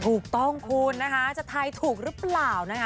ถูกต้องคุณนะคะจะทายถูกหรือเปล่านะคะ